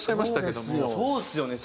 そうですよね。